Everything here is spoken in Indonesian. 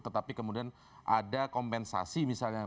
tetapi kemudian ada kompensasi misalnya